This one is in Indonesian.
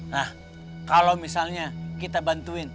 nah kalau misalnya kita bantuin